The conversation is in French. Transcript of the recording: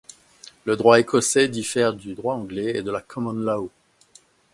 Le droit écossais diffère du droit anglais et de la common law.